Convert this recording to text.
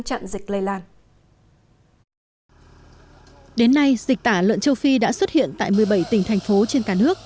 chặn dịch lây lan đến nay dịch tả lợn châu phi đã xuất hiện tại một mươi bảy tỉnh thành phố trên cả nước